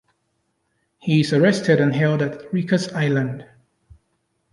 He is arrested and held at Rikers Island.